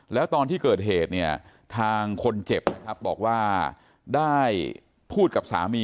แล้วตอนที่เกิดเหตุเนี่ยทางคนเจ็บนะครับบอกว่าได้พูดกับสามี